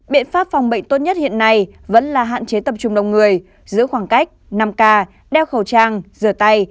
biện pháp phòng bệnh tốt nhất hiện nay vẫn là hạn chế tập trung đông người giữa khoảng cách năm k đeo khẩu trang rửa tay